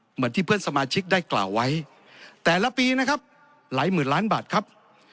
เหมือนที่เพื่อนสมาชิกได้กล่าวไว้แต่ละปีนะครับหลายหมื่นล้านบาทครับ